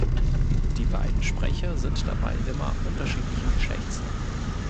Die beiden Sprecher sind dabei immer unterschiedlichen Geschlechts.